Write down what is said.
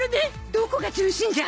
どこが純真じゃ！